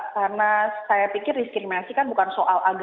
karena saya pikir diskriminasi kan bukan soal agama